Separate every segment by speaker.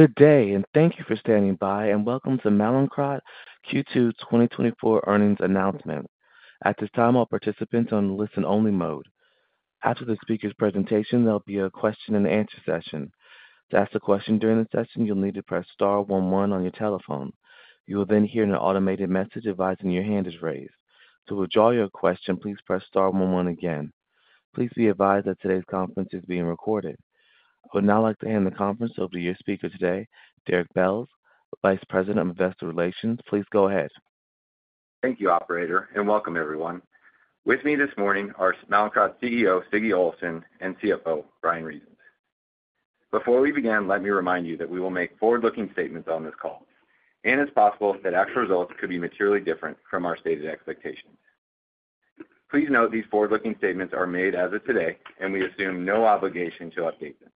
Speaker 1: Good day, and thank you for standing by, and welcome to Mallinckrodt Q2 2024 earnings announcement. At this time, all participants are on listen-only mode. After the speaker's presentation, there'll be a question-and-answer session. To ask a question during the session, you'll need to press star one one on your telephone. You will then hear an automated message advising your hand is raised. To withdraw your question, please press star one one again. Please be advised that today's conference is being recorded. I would now like to hand the conference over to your speaker today, Derek Belz, Vice President of Investor Relations. Please go ahead.
Speaker 2: Thank you, operator, and welcome everyone. With me this morning are Mallinckrodt's CEO, Siggi Olafsson, and CFO, Bryan Reasons. Before we begin, let me remind you that we will make forward-looking statements on this call, and it's possible that actual results could be materially different from our stated expectations. Please note, these forward-looking statements are made as of today, and we assume no obligation to update them,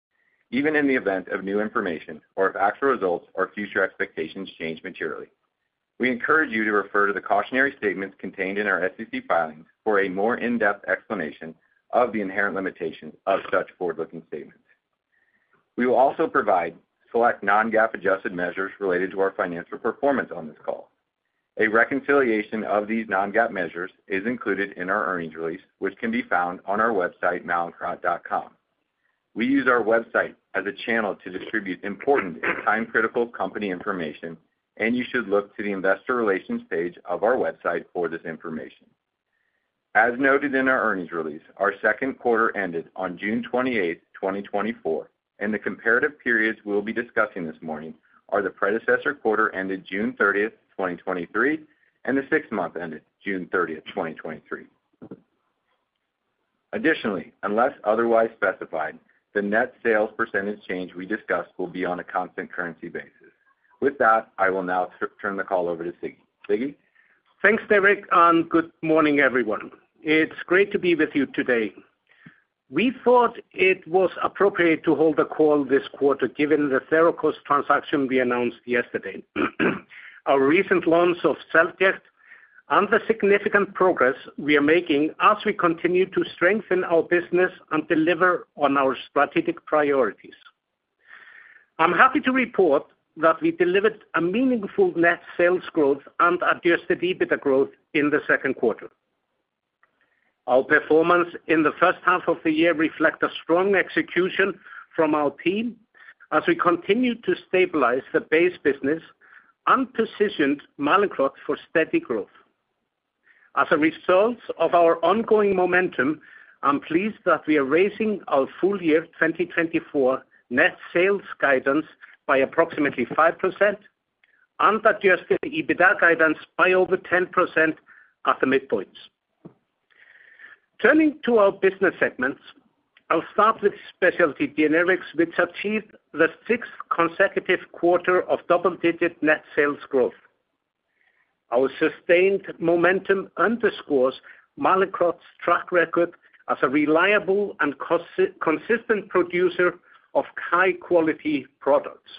Speaker 2: even in the event of new information or if actual results or future expectations change materially. We encourage you to refer to the cautionary statements contained in our SEC filings for a more in-depth explanation of the inherent limitations of such forward-looking statements. We will also provide select non-GAAP adjusted measures related to our financial performance on this call. A reconciliation of these non-GAAP measures is included in our earnings release, which can be found on our website, mallinckrodt.com. We use our website as a channel to distribute important and time-critical company information, and you should look to the investor relations page of our website for this information. As noted in our earnings release, our second quarter ended on June 28, 2024, and the comparative periods we'll be discussing this morning are the predecessor quarter ended June 30, 2023, and the sixth month ended June 30, 2023. Additionally, unless otherwise specified, the net sales percentage change we discussed will be on a constant currency basis. With that, I will now turn the call over to Siggi. Siggi?
Speaker 3: Thanks, Derek, and good morning, everyone. It's great to be with you today. We thought it was appropriate to hold a call this quarter, given the Therakos transaction we announced yesterday. Our recent launch of Self Ject and the significant progress we are making as we continue to strengthen our business and deliver on our strategic priorities. I'm happy to report that we delivered a meaningful Net Sales growth and Adjusted EBITDA growth in the second quarter. Our performance in the first half of the year reflect a strong execution from our team as we continue to stabilize the base business and positioned Mallinckrodt for steady growth. As a result of our ongoing momentum, I'm pleased that we are raising our full-year 2024 Net Sales guidance by approximately 5% and Adjusted EBITDA guidance by over 10% at the midpoints. Turning to our business segments, I'll start with Specialty Generics, which achieved the sixth consecutive quarter of double-digit net sales growth. Our sustained momentum underscores Mallinckrodt's track record as a reliable and consistent producer of high-quality products.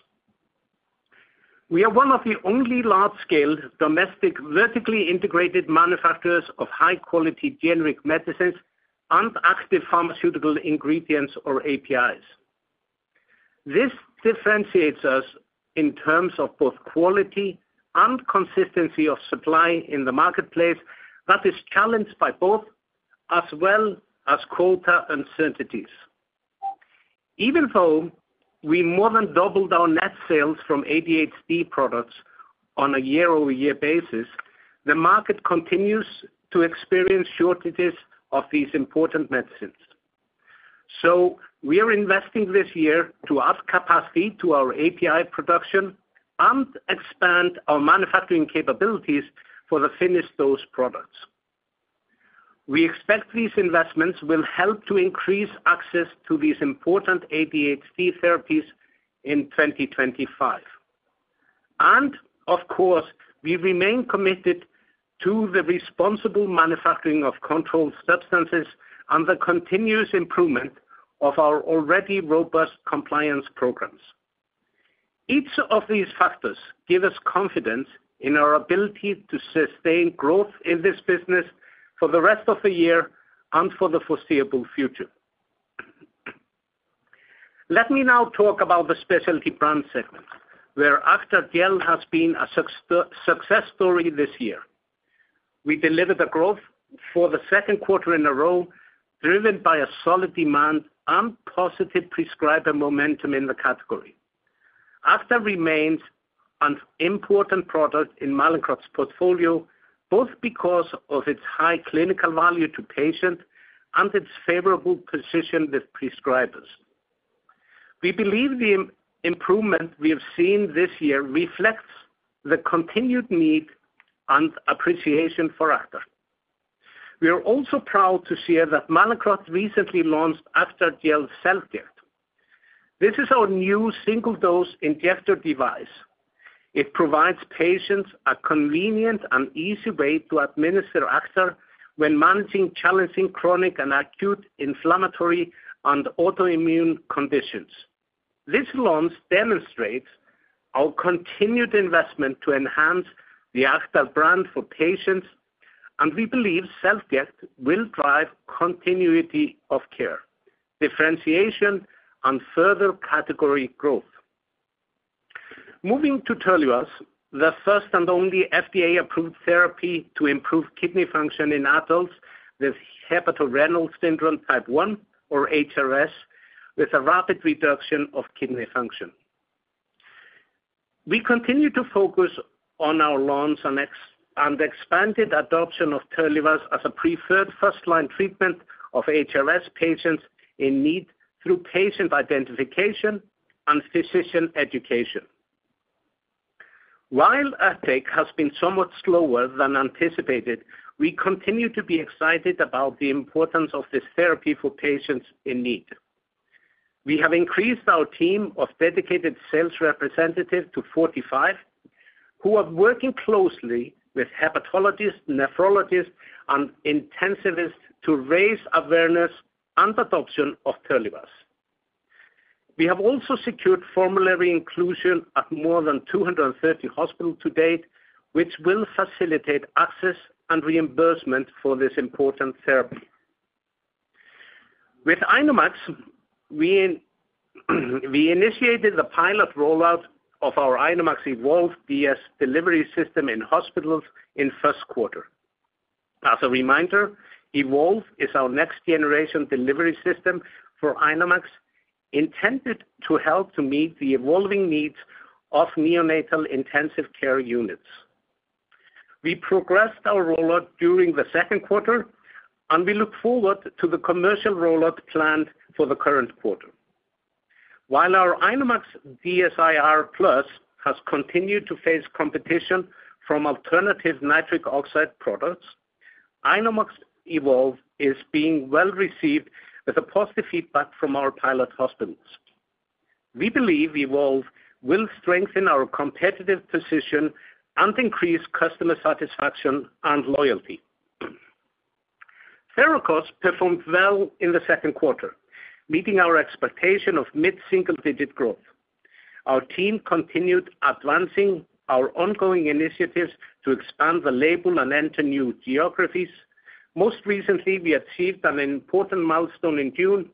Speaker 3: We are one of the only large-scale domestic, vertically integrated manufacturers of high-quality generic medicines and active pharmaceutical ingredients or APIs. This differentiates us in terms of both quality and consistency of supply in the marketplace that is challenged by both, as well as quota uncertainties. Even though we more than doubled our net sales from ADHD products on a year-over-year basis, the market continues to experience shortages of these important medicines. So we are investing this year to add capacity to our API production and expand our manufacturing capabilities for the finished dose products. We expect these investments will help to increase access to these important ADHD therapies in 2025. Of course, we remain committed to the responsible manufacturing of controlled substances and the continuous improvement of our already robust compliance programs. Each of these factors give us confidence in our ability to sustain growth in this business for the rest of the year and for the foreseeable future. Let me now talk about the specialty brand segment, where Acthar Gel has been a success story this year. We delivered the growth for the second quarter in a row, driven by a solid demand and positive prescriber momentum in the category. Acthar remains an important product in Mallinckrodt's portfolio, both because of its high clinical value to patients and its favorable position with prescribers. We believe the improvement we have seen this year reflects the continued need and appreciation for Acthar. We are also proud to share that Mallinckrodt recently launched Acthar Gel SelfCare. This is our new single-dose injector device. It provides patients a convenient and easy way to administer Acthar when managing challenging chronic and acute inflammatory and autoimmune conditions. This launch demonstrates our continued investment to enhance the Acthar brand for patients, and we believe SelfJect will drive continuity of care, differentiation, and further category growth. Moving to Terlivaz, the first and only FDA-approved therapy to improve kidney function in adults with hepatorenal syndrome type one, or HRS, with a rapid reduction of kidney function. We continue to focus on our launch and expanded adoption of Terlivaz as a preferred first-line treatment of HRS patients in need through patient identification and physician education. While uptake has been somewhat slower than anticipated, we continue to be excited about the importance of this therapy for patients in need. We have increased our team of dedicated sales representatives to 45, who are working closely with hepatologists, nephrologists, and intensivists to raise awareness and adoption of Terlivaz. We have also secured formulary inclusion at more than 230 hospitals to date, which will facilitate access and reimbursement for this important therapy. With INOMAX, we initiated the pilot rollout of our INOMAX Evolve DS delivery system in hospitals in first quarter. As a reminder, Evolve is our next-generation delivery system for INOMAX, intended to help to meet the evolving needs of neonatal intensive care units. We progressed our rollout during the second quarter, and we look forward to the commercial rollout planned for the current quarter. While our INOMAX DSIR Plus has continued to face competition from alternative nitric oxide products, INOMAX Evolve is being well received with a positive feedback from our pilot hospitals. We believe Evolve will strengthen our competitive position and increase customer satisfaction and loyalty. Therakos performed well in the second quarter, meeting our expectation of mid-single-digit growth. Our team continued advancing our ongoing initiatives to expand the label and enter new geographies. Most recently, we achieved an important milestone in June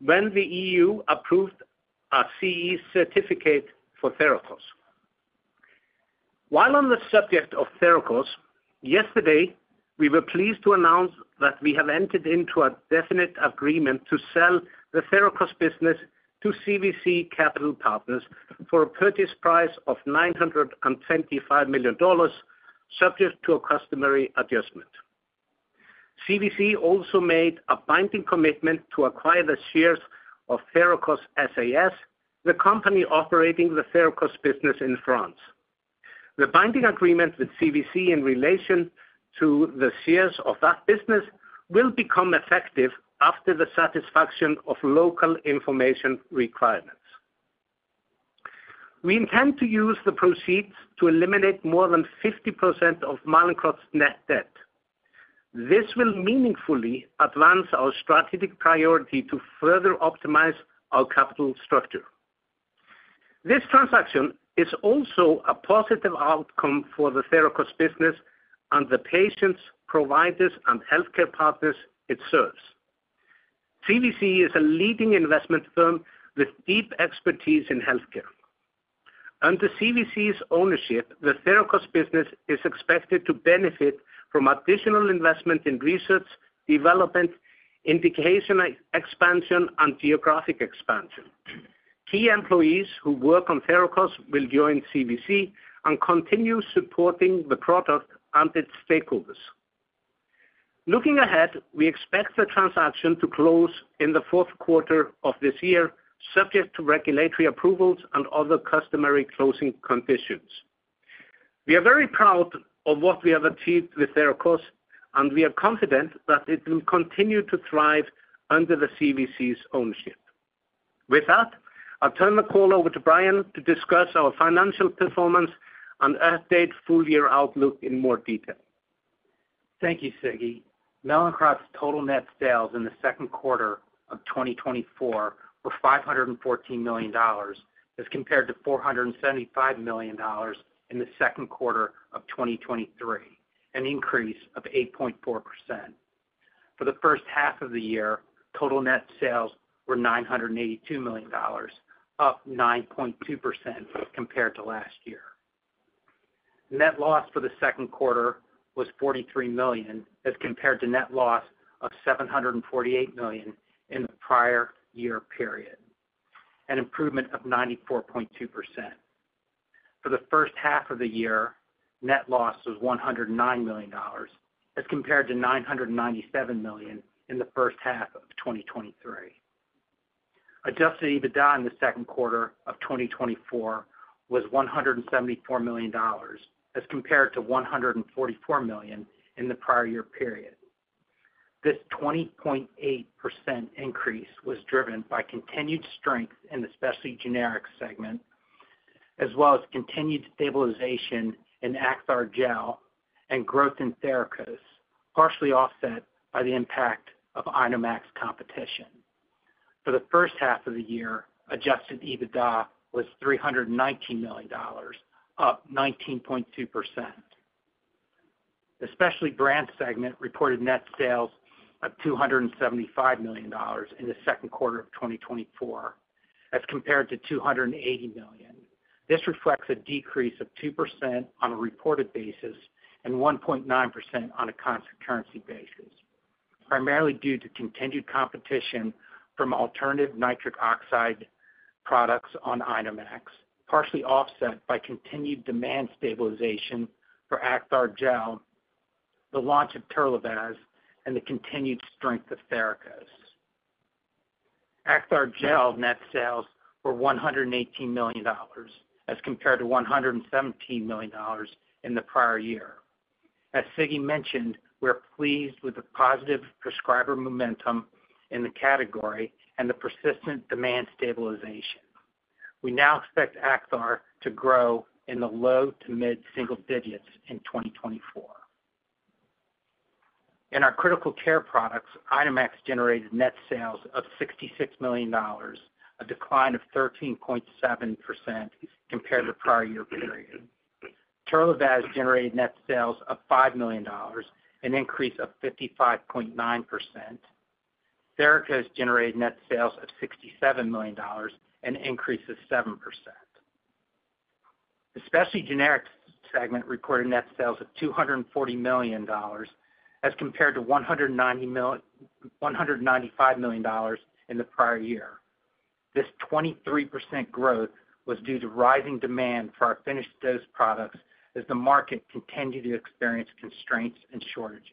Speaker 3: when the EU approved a CE certificate for Therakos. While on the subject of Therakos, yesterday, we were pleased to announce that we have entered into a definite agreement to sell the Therakos business to CVC Capital Partners for a purchase price of $925 million, subject to a customary adjustment. CVC also made a binding commitment to acquire the shares of Therakos SAS, the company operating the Therakos business in France. The binding agreement with CVC in relation to the shares of that business will become effective after the satisfaction of local information requirements. We intend to use the proceeds to eliminate more than 50% of Mallinckrodt's net debt. This will meaningfully advance our strategic priority to further optimize our capital structure. This transaction is also a positive outcome for the Therakos business and the patients, providers, and healthcare partners it serves. CVC is a leading investment firm with deep expertise in healthcare. Under CVC's ownership, the Therakos business is expected to benefit from additional investment in research, development, indication expansion, and geographic expansion. Key employees who work on Therakos will join CVC and continue supporting the product and its stakeholders. Looking ahead, we expect the transaction to close in the fourth quarter of this year, subject to regulatory approvals and other customary closing conditions. We are very proud of what we have achieved with Therakos, and we are confident that it will continue to thrive under the CVC's ownership. With that, I'll turn the call over to Bryan to discuss our financial performance and update full year outlook in more detail.
Speaker 4: Thank you, Siggi. Mallinckrodt's total net sales in the second quarter of 2024 were $514 million, as compared to $475 million in the second quarter of 2023, an increase of 8.4%. For the first half of the year, total net sales were $982 million, up 9.2% compared to last year. Net loss for the second quarter was $43 million, as compared to net loss of $748 million in the prior year period, an improvement of 94.2%. For the first half of the year, net loss was $109 million, as compared to $997 million in the first half of 2023. Adjusted EBITDA in the second quarter of 2024 was $174 million, as compared to $144 million in the prior year period. This 20.8% increase was driven by continued strength in the Specialty Generics segment, as well as continued stabilization in Acthar Gel and growth in Therakos, partially offset by the impact of INOMAX competition. For the first half of the year, adjusted EBITDA was $319 million, up 19.2%. The Specialty Brands segment reported net sales of $275 million in the second quarter of 2024, as compared to $280 million. This reflects a decrease of 2% on a reported basis and 1.9% on a constant currency basis, primarily due to continued competition from alternative nitric oxide products on INOMAX, partially offset by continued demand stabilization for Acthar Gel, the launch of Terlivaz, and the continued strength of Therakos. Acthar Gel net sales were $118 million, as compared to $117 million in the prior year. As Siggi mentioned, we are pleased with the positive prescriber momentum in the category and the persistent demand stabilization. We now expect Acthar to grow in the low to mid-single digits in 2024. In our critical care products, INOMAX generated net sales of $66 million, a decline of 13.7% compared to the prior year period. Terlivaz generated net sales of $5 million, an increase of 55.9%. Therakos generated net sales of $67 million, an increase of 7%. The Specialty Generics segment recorded net sales of $240 million, as compared to $195 million in the prior year. This 23% growth was due to rising demand for our finished dose products, as the market continued to experience constraints and shortages.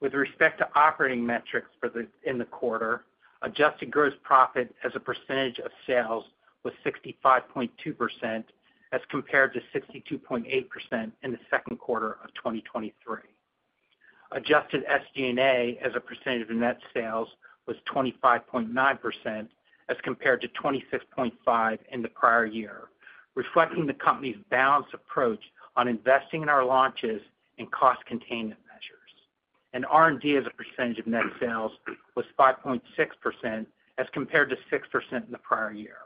Speaker 4: With respect to operating metrics for the quarter, adjusted gross profit as a percentage of sales was 65.2%, as compared to 62.8% in the second quarter of 2023. Adjusted SG&A as a percentage of net sales was 25.9%, as compared to 26.5% in the prior year, reflecting the company's balanced approach on investing in our launches and cost containment measures. R&D as a percentage of net sales was 5.6%, as compared to 6% in the prior year.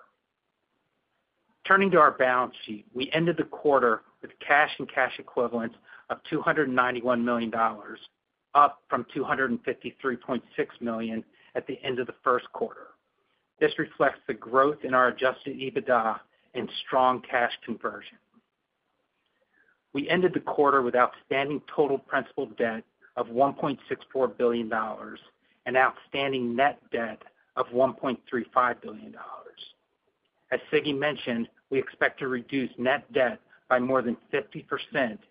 Speaker 4: Turning to our balance sheet, we ended the quarter with cash and cash equivalents of $291 million, up from $253.6 million at the end of the first quarter. This reflects the growth in our adjusted EBITDA and strong cash conversion. We ended the quarter with outstanding total principal debt of $1.64 billion and outstanding net debt of $1.35 billion. As Siggi mentioned, we expect to reduce net debt by more than 50%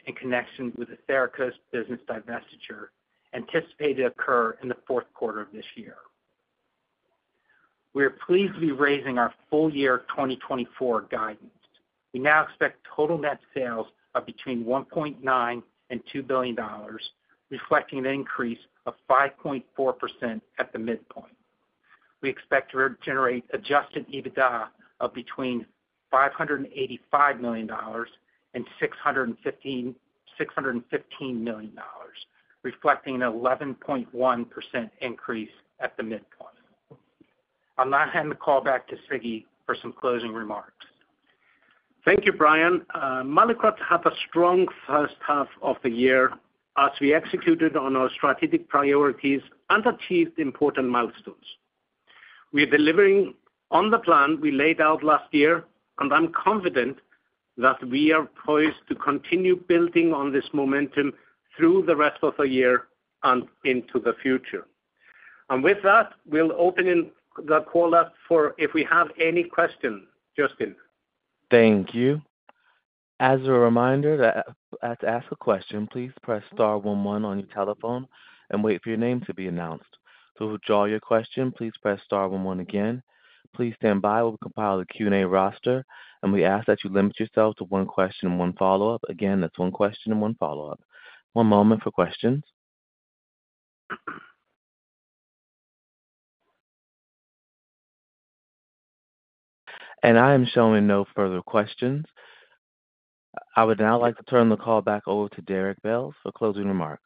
Speaker 4: in connection with the Therakos business divestiture, anticipated to occur in the fourth quarter of this year. We are pleased to be raising our full year 2024 guidance. We now expect total net sales of between $1.9 billion and $2 billion, reflecting an increase of 5.4% at the midpoint. We expect to generate adjusted EBITDA of between $585 million and $615, $615 million, reflecting an 11.1% increase at the midpoint. I'll now hand the call back to Siggi for some closing remarks.
Speaker 3: Thank you, Brian. Mallinckrodt had a strong first half of the year as we executed on our strategic priorities and achieved important milestones. We are delivering on the plan we laid out last year, and I'm confident that we are poised to continue building on this momentum through the rest of the year and into the future. With that, we'll open up the call for questions if we have any. Justin?
Speaker 1: Thank you. As a reminder, to ask a question, please press star one one on your telephone and wait for your name to be announced. To withdraw your question, please press star one one again. Please stand by. We'll compile a Q&A roster, and we ask that you limit yourself to one question and one follow-up. Again, that's one question and one follow-up. One moment for questions. I am showing no further questions. I would now like to turn the call back over to Derek Belz for closing remarks.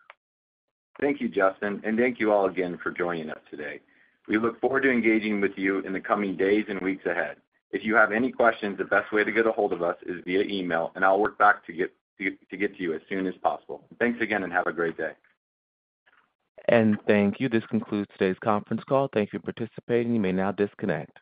Speaker 2: Thank you, Justin, and thank you all again for joining us today. We look forward to engaging with you in the coming days and weeks ahead. If you have any questions, the best way to get ahold of us is via email, and I'll work back to get, to get to you as soon as possible. Thanks again, and have a great day.
Speaker 1: Thank you. This concludes today's conference call. Thank you for participating. You may now disconnect.